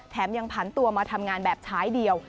ยังผันตัวมาทำงานแบบช้ายเดียว